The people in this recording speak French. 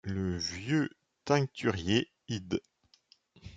Le vieulx taincturier id.